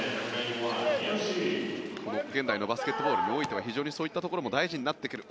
現代のバスケットボールにおいてはそういったところも大事になってくる。